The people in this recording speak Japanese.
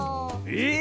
え